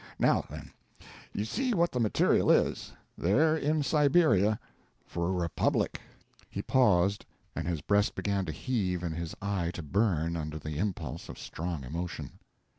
Now, then, you see what the material is, there in Siberia, for a republic." He paused, and his breast began to heave and his eye to burn, under the impulse of strong emotion.